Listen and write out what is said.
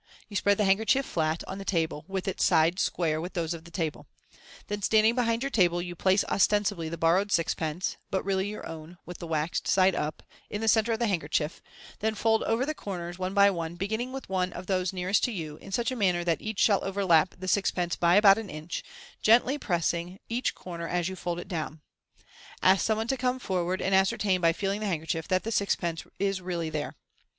You spread the handkerchief flat on the table, witn its sides square with those of the table. Then standing behind your table, you place ostensibly the borrowed sixpence, but really your own (with the waxed side up), in the centre of the hand kerchief, then fold over the corners, one by one, beginning with one of those nearest to yourself, in such manner that each ^hall overlap the sixpence by about an inch, gently pressing each corner as you fold it down* Ask some one to come for ward, and ascertain by feeling the hand kerchief, that the six pence is really there.